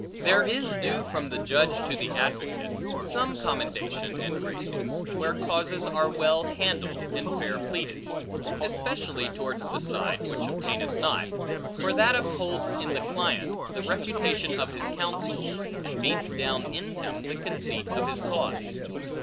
There is due from the judge to the advocate, some commendation and gracing, where causes are well handled and fair pleaded; especially towards the side which obtaineth not; for that upholds in the client, the reputation of his counsel, and beats down in him the conceit of his cause.